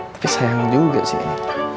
tapi sayang juga sih ini